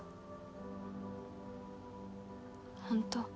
本当